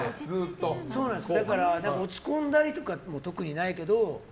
だから、落ち込んだりとかも特にないけど。